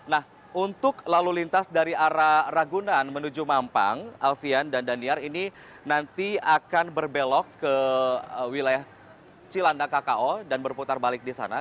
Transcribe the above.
nah untuk lalu lintas dari arah ragunan menuju mampang alfian dan daniar ini nanti akan berbelok ke wilayah cilanda kko dan berputar balik di sana